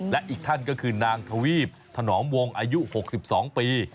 และอีกท่านก็คือนางทวีปถนอมวงอายุ๖๒ปี